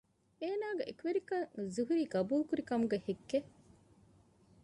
އޭނަގެ އެކުވެރިކަން ޒުހުރީ ޤަބޫލުކުރި ކަމުގެ ހެއްކެއް